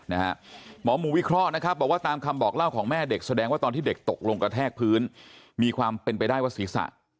หมอหมู่วิเคราะห์นะครับบอกว่าตามคำบอกเล่าของแม่เด็กแสดงว่าตอนที่เด็กตกลงกระแทกพื้นมีความเป็นไปได้ว่าศีรษะ